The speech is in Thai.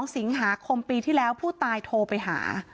๒สิงหาคมปีที่แล้วผู้ตายโทรไปหา